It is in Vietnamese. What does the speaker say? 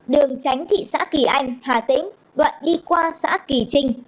đường tránh thị xã kỳ anh hà tĩnh đoạn đi qua xã kỳ trinh